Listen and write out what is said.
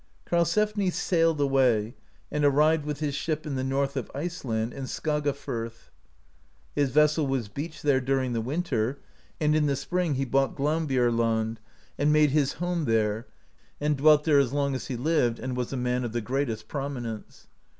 Karlsefni sailed away, and arrived with his ship in the north of Iceland, in Skagafirth. His vessel was beached there during the winter, and in the spring he bought 100 DEATH OF CUDRID, MOTHER OF SNORRI Glaumbceiar land (69), and made his home there, and dwelt there as long as he lived, and was a man of the greatest prominence.